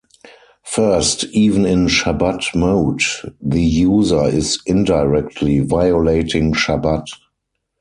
First, even in Shabbat mode, the user is indirectly violating Shabbat.